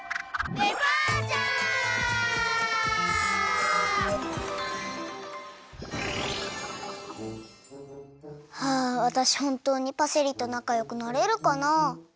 デパーチャー！はあわたしほんとうにパセリとなかよくなれるかな？